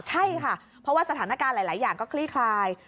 ใช่ค่ะเพราะว่าสถานการณ์หลายอย่างก็คลี่คลาย